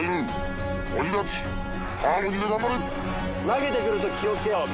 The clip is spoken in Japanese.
投げてくる時気をつけよう